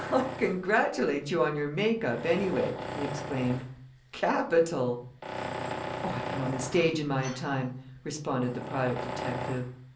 "I congratulate you on your make up, anyway!" he exclaimed. "Capital!" "Oh, I've been on the stage in my time," responded the private detective.